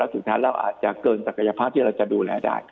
แล้วถือทั้งแล้วอาจจะเกินศักยภาพที่เราจะดูแลราย